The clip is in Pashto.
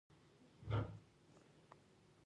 ما ورته وویل نه هغه یې په دې کې نه ویني.